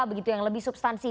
begitu yang lebih substansi